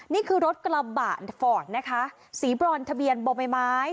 นี่คือรถกระบะฝ่อนนะคะสีบรรทะเบียนบมไม้ไม้